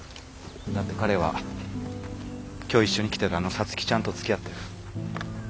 だって彼は今日一緒に来てるあの皐月ちゃんとつきあってる。